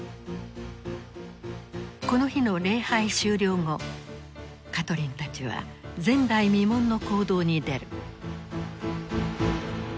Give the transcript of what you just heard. この日の礼拝終了後カトリンたちは前代未聞の行動に出る。